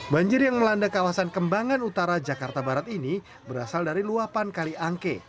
banjir yang melanda kawasan kembangan utara jakarta barat ini berasal dari luapan kaliangke